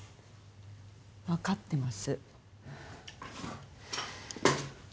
分かってます。